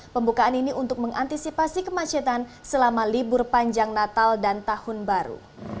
pembukaan ini untuk mengantisipasi kemacetan selama libur panjang natal dan tahun baru